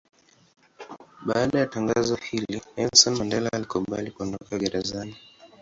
Baada ya tangazo hili Nelson Mandela alikubali kuondoka gerezani.